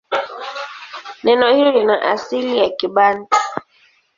Neno hilo lina asili ya Kibantu.